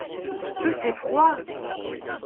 Que c’est froid !